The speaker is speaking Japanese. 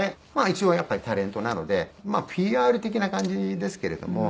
一応やっぱりタレントなのでＰＲ的な感じですけれども。